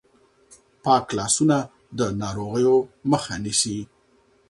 پاک لاسونه د ناروغیو مخه نیسي.